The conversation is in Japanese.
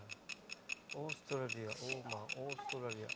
オーストラリアオーマオーストラリア。